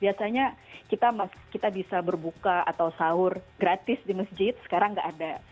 biasanya kita bisa berbuka atau sahur gratis di masjid sekarang nggak ada